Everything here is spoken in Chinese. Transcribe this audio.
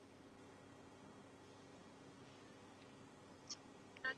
宝和按当铺旧址的历史年代为民国。